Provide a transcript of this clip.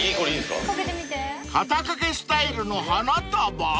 ［肩掛けスタイルの花束！？］